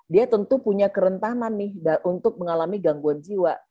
dia tentu punya kerentanan nih untuk mengalami gangguan jiwa